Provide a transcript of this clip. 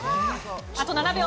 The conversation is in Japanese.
あと７秒！